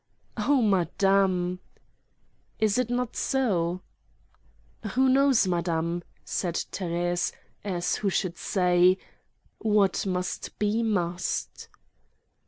"Oh, madame!" "Is it not so?" "Who knows, madame?" said Thérèse, as who should say: "What must be, must."